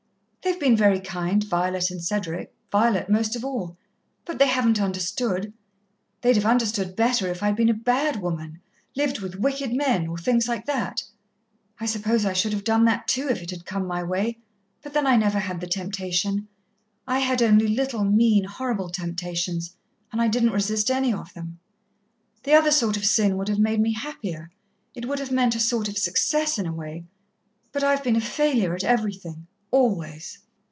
They've been very kind Violet and Cedric Violet most of all but they haven't understood. They'd have understood better if I'd been a bad woman lived with wicked men, or things like that. I suppose I should have done that too, if it had come my way but then I never had the temptation. I had only little, mean, horrible temptations and I didn't resist any of them. The other sort of sin would have made me happier it would have meant a sort of success in a way but I have been a failure at everything always."